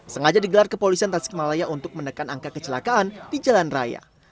sengaja digelar kepolisian tasikmalaya untuk menekan angka kecelakaan di jalan raya